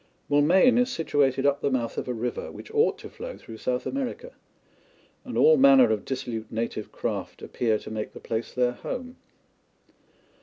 Moulmein is situated up the mouth of a river which ought to flow through South America, and all manner of dissolute native craft appear to make the place their home.